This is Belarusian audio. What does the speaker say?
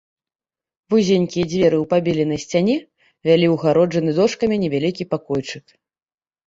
Вузенькія дзверы ў пабеленай сцяне вялі ў адгароджаны дошкамі невялічкі пакойчык.